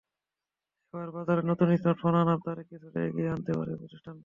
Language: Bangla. এবারে বাজারে নতুন স্মার্টফোন আনার তারিখ কিছুটা এগিয়ে আনতে পারে প্রতিষ্ঠানটি।